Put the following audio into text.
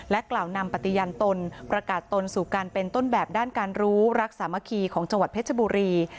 กล่าวนำปฏิญันตนประกาศตนสู่การเป็นต้นแบบด้านการรู้รักสามัคคีของจังหวัดเพชรบุรี